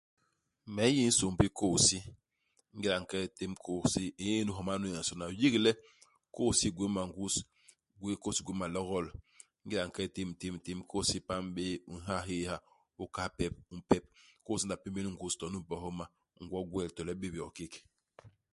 Me n'yi nsômbi u kôy-hisi. Ingéda u nke itém kôy-hisi u ñé ndugi i homa nu nyensôna u yik le kôy-hisi i gwéé mangus ; i gwéé kôy-hisi i gwéé malogol. Ingéda u nke u tém u tém u tém, kôy-hisi i pam bé, u nha hyéé ha, u kahal pep, u mpep. Kôy-hisi i nla pémél i ngus to numbe homa, ngwo i gwel to le u bép yo kék.